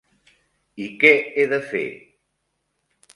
I què he de fer?